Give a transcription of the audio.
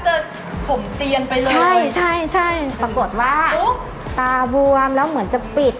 จะผมเตียนไปเลยใช่ใช่ปรากฏว่าตาบวมแล้วเหมือนจะปิด